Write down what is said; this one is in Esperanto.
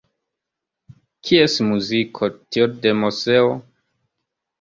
Kies muziko, tiu de Moseo?